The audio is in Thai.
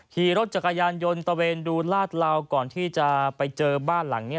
ขี่รถจักรยานยนต์ตะเวนดูลาดเหลาก่อนที่จะไปเจอบ้านหลังนี้